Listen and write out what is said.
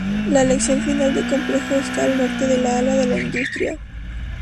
La sección final del complejo está al norte del ala de la industria.